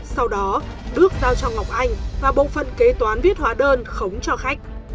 sau đó đức giao cho ngọc anh và bộ phân kế toán viết hóa đơn khống cho khách